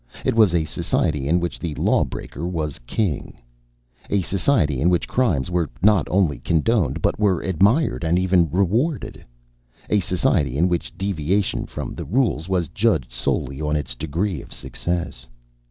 It was a society in which the lawbreaker was king; a society in which crimes were not only condoned but were admired and even rewarded; a society in which deviation from the rules was judged solely on its degree of success.